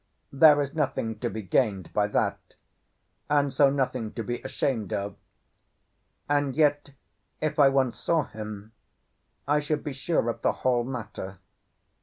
There is nothing to be gained by that, and so nothing to be ashamed of; and yet, if I once saw him, I should be sure of the whole matter.